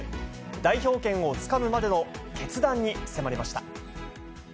代表権をつかむまでの決断に迫りました。